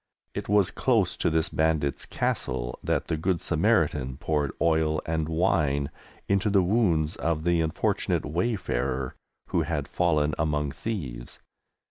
It was close to this bandit's castle that the Good Samaritan poured oil and wine into the wounds of the unfortunate wayfarer who had fallen among thieves.